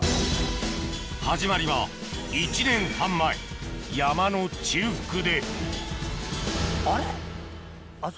始まりは１年半前山の中腹でそんなのあんの？